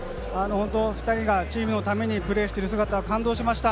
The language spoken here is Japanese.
２人がチームのためにプレーしている姿、感動しました。